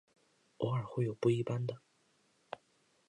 偶尔会有不一般的。